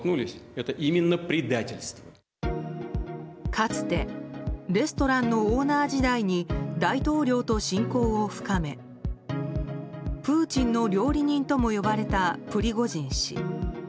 かつてレストランのオーナー時代に大統領と親交を深めプーチンの料理人とも呼ばれたプリゴジン氏。